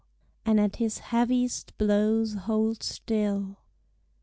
And at his heaviest blows hold still.